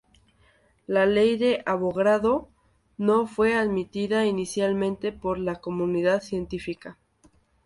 La ley de Avogadro no fue admitida inicialmente por la comunidad científica.